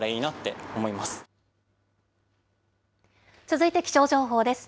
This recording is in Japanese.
続いて気象情報です。